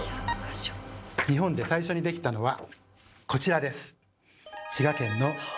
日本で最初に出来たのはこちらです！